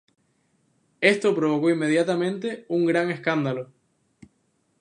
Esto provocó inmediatamente un gran escándalo.